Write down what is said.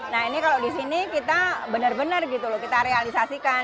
nah ini kalau di sini kita benar benar realisasikan